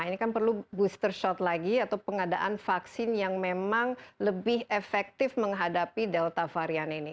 ini kan perlu booster shot lagi atau pengadaan vaksin yang memang lebih efektif menghadapi delta varian ini